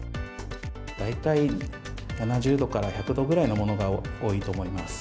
大体７０度から１００度ぐらいのものが多いと思います。